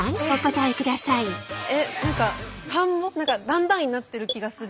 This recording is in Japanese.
えっ何か段々になってる気がする。